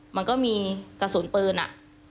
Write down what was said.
มันก็มีกระสุนปืนอ่ะ